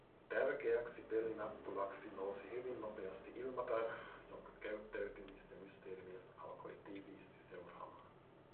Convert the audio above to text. Tärkeäksi pelinappulaksi nousi hyvin nopeasti Ilmatar, jonka käyttäytymistä Mysteerimies alkoi tiiviisti seuraamaan.